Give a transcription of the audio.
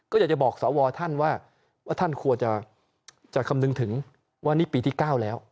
ก็อยากจะบอกสวท่านว่าท่านควรจะคำนึงถึงว่านี่ปีที่๙แล้ว